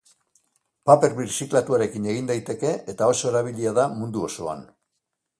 Paper birziklatuarekin egin daiteke, eta oso erabilia da mundu osoan.